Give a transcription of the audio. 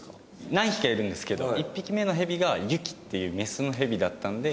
何匹かいるんですけど１匹目のヘビがＹｕｋｉっていうメスのヘビだったので。